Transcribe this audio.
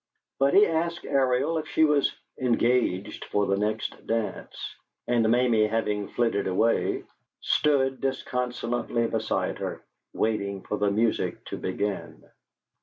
But he asked Ariel if she was "engaged for the next dance," and, Mamie having flitted away, stood disconsolately beside her, waiting for the music to begin.